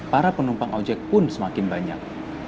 para penumpang ojek pun semakin banyak